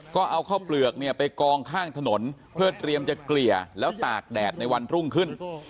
ก็เอาข้าวเปลือกเนี่ยไปกองข้างถนนเพื่อเตรียมจะเกลี่ยแล้วตากแดดในวันรุ่งขึ้น